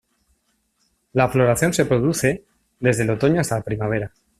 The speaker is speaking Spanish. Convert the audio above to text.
La floración se produce desde el otoño hasta la primavera.